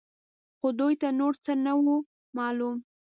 خو دوی ته نور څه نه وو معلوم.